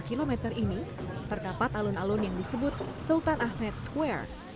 di dua puluh satu km ini terdapat alun alun yang disebut sultan ahmed square